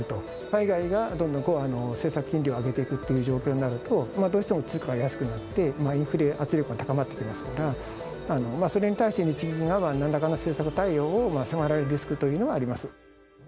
海外がどんどん政策金利を上げていくっていう状況になると、どうしても通貨が安くなって、インフレ圧力が高まってきますから、それに対して、日銀がなんらかの政策対応を迫られるリスクというのはあります。